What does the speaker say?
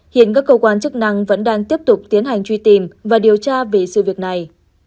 hiện các cơ quan chức năng vẫn đang tiếp tục tiến hành truy tìm và điều tra về sự việc này